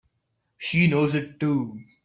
She knows it too!